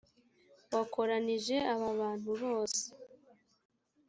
wakoranyije aba bantu bose